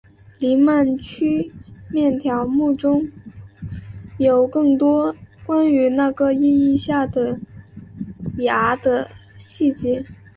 黎曼曲面条目中有更多关于那个意义下的芽的细节。